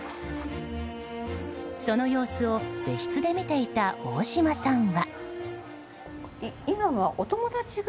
その様子を別室で見ていた大島さんは。